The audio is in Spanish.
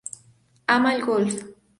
Ama el golf.